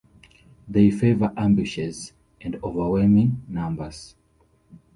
They favor ambushes and overwhelming numbers.